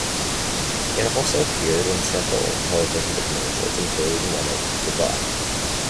It has also appeared in several television commercials-including one for Buick.